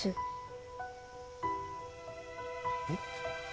えっ？